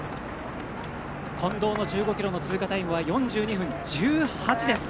近藤の１５ｋｍの通過タイムは４２分１８です。